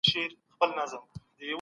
څه ډول چلند د انساني کرامت خلاف دی؟